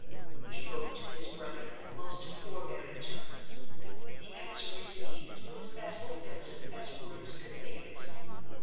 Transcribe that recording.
He wrote to his brother in the most forbearing terms. The answer received was as offensive as words could make it.